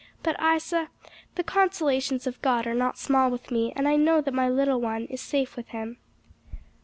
But Isa, the consolations of God are not small with me, and I know that my little one is safe with him.